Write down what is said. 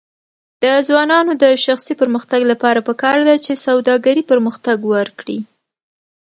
د ځوانانو د شخصي پرمختګ لپاره پکار ده چې سوداګري پرمختګ ورکړي.